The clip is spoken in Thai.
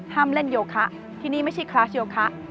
เล่นโยคะที่นี่ไม่ใช่คลาสโยคะ